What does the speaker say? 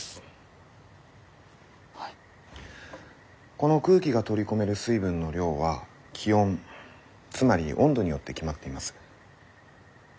この空気が取り込める水分の量は気温つまり温度によって決まっています。